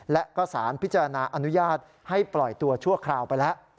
และก็สารพิจารณาอนุญาตให้ปล่อยตัวชั่วคราวไปแล้ว